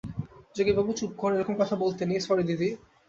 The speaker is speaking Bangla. যোগীবাবু, চুপ কর, - এরকম কথা বলতে নেই - স্যরি, দিদি।